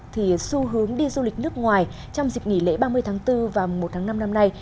thì xu hướng đi du lịch nước ngoài trong dịp nghỉ lễ ba mươi tháng bốn và một tháng năm năm nay